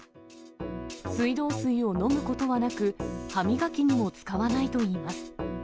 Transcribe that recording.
水道水を飲むことはなく、歯磨きにも使わないといいます。